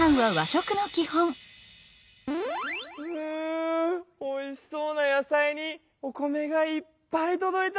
うおいしそうな野菜にお米がいっぱいとどいた！